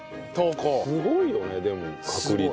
すごいよねでも確率。